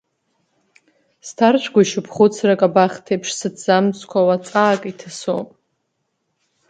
Сҭаршәгәышьоуп хәыцрак абахҭеиԥш, сыҭӡамцқәа уа ҵаак иҭасоуп.